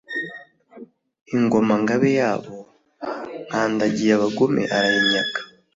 Ingomangabe yabo Nkandagiyabagome, arayinyaga.